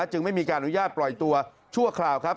จึงไม่มีการอนุญาตปล่อยตัวชั่วคราวครับ